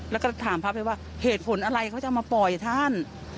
แล้วก็ถามพระไปว่าเหตุผลอะไรเขาจะเอามาปล่อยท่าน